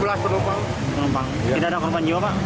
tidak ada korban jiwa pak